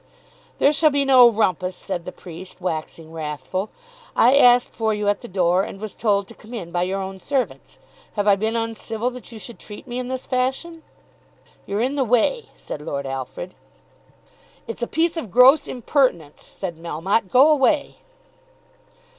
"There shall be no rumpus," said the priest, waxing wrathful. "I asked for you at the door, and was told to come in by your own servants. Have I been uncivil that you should treat me in this fashion?" "You're in the way," said Lord Alfred. "It's a piece of gross impertinence," said Melmotte. "Go away."